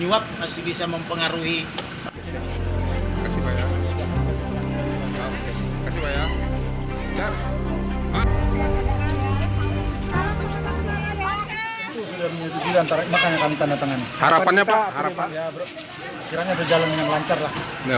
ya bro kiranya ada jalan yang lancar lah